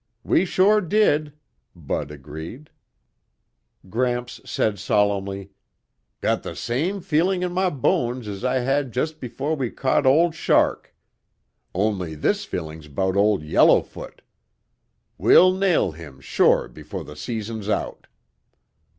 "We sure did," Bud agreed. Gramps said solemnly, "Got the same feeling in my bones as I had just before we caught Old Shark. Only this feeling's 'bout Old Yellowfoot. We'll nail him sure before the season's out."